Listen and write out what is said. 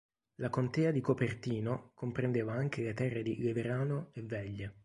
La contea di Copertino comprendeva anche le terre di Leverano e Veglie.